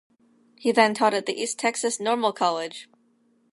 He then taught at the East Texas Normal College.